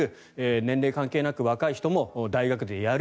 年齢関係なく若い人も大学でやる。